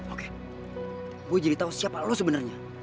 oke gue jadi tau siapa lo sebenernya